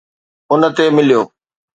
ان تي مليو